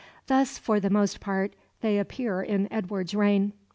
Thus, for the most part, they appear in Edward's reign.